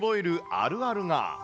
あるあるが。